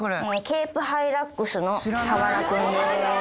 ケープハイラックスのたわら君です。